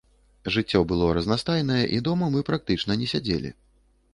Жыццё было разнастайнае, і дома мы практычна не сядзелі.